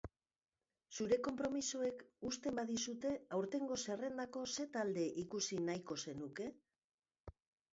Zure konpromisoek uzten badizute, aurtengo zerrendako zer talde ikusi nahiko zenuke?